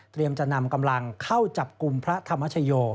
จะนำกำลังเข้าจับกลุ่มพระธรรมชโย